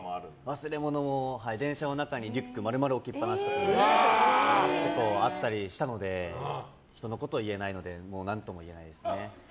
忘れ物も電車の中にリュック丸々置きっぱなしとかもあったりしたので人のこと言えないので何とも言えないですね。